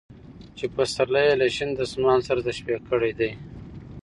چې پسرلى يې له شين دسمال سره تشبيه کړى دى .